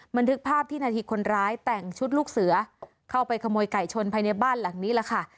บันทึกภาพที่นาทีคนร้ายแต่งชุดลูกเสือเข้าไปขโมยไก่ชนภายในบ้านหลังนี้แหละค่ะ